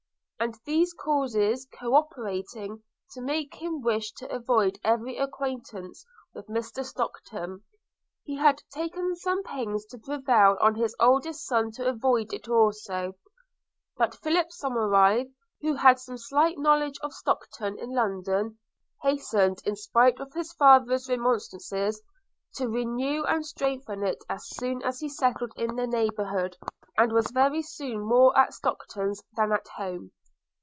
And these causes co operating to make him wish to avoid every acquaintance with Mr Stockton, he had taken some pains to prevail on his eldest son to avoid it also; but Philip Somerive, who had some slight knowledge of Stockton in London, hastened, in spite of his father's remonstrances, to renew and strengthen it as soon as he settled in the neighbourhood, and was very soon more at Stockton's than at home.